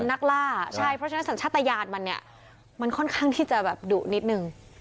นักล่าใช่เพราะฉะนั้นสัญชาติยานมันเนี่ยมันค่อนข้างที่จะแบบดุนิดนึง